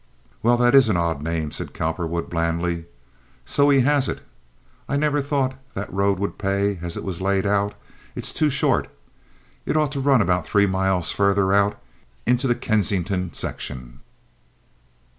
"Well, that is an odd name," said Cowperwood, blandly. "So he has it? I never thought that road would pay, as it was laid out. It's too short. It ought to run about three miles farther out into the Kensington section."